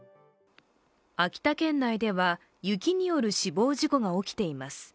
秋田県内では、雪による死亡事故が起きています。